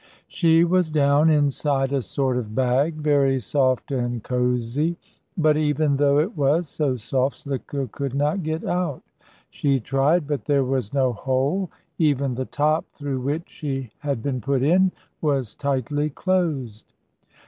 She was down inside a sort of bag, very soft and cozy, but even though it was so soft, Slicko could not get out. She tried, but there was no hole. Even the top, through which she had been put in, was tightly closed.